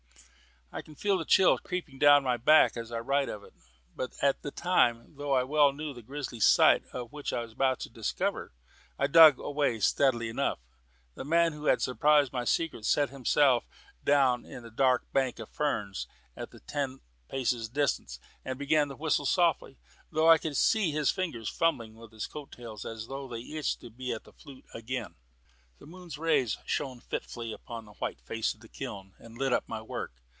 I can feel the chill creeping down my back as I write of it; but at the time, though I well knew the grisly sight which I was to discover, I dug away steadily enough. The man who had surprised my secret set himself down on a dark bank of ferns at about ten paces' distance, and began to whistle softly, though I could see his fingers fumbling with his coat tails as though they itched to be at the flute again. The moon's rays shone fitfully upon the white face of the kiln, and lit up my work.